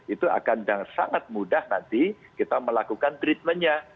itu akan sangat mudah nanti kita melakukan treatmentnya